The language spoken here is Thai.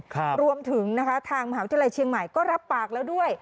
รวมถึงนะคะทางมหาวิทยาลัยเชียงใหม่ก็รับปากแล้วด้วย